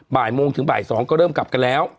บ่ายโมงถึงบ่าย๒ก็เริ่มกลับกันแล้ว